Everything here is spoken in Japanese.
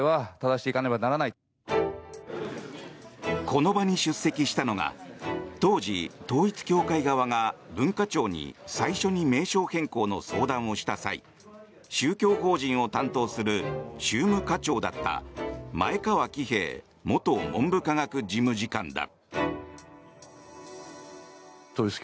この場に出席したのが当時、統一教会側が文化庁に最初に名称変更の相談をした際宗教法人を担当する宗務課長だった前川喜平元文部科学事務次官だ。